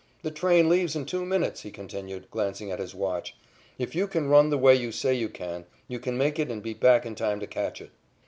The train leaves in two minutes," he continued, glancing at his watch. "If you can run the way you say you can, you can make it and be back in time to catch it."